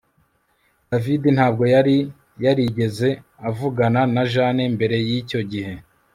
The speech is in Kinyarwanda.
David ntabwo yari yarigeze avugana na Jane mbere yicyo gihe